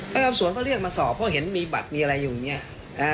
กรรมสวนก็เรียกมาสอบเพราะเห็นมีบัตรมีอะไรอยู่อย่างนี้